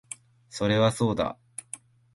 それはそうだ